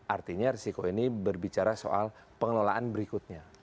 artinya risiko ini berbicara soal pengelolaan berikutnya